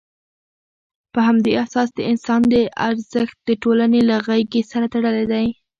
په همدې اساس، د انسان ارزښت د ټولنې له غېږې سره تړلی دی.